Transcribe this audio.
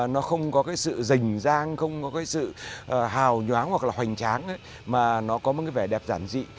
nó không có cái sự rình giang không có cái sự hào nhoáng hoặc là hoành tráng mà nó có một cái vẻ đẹp giản dị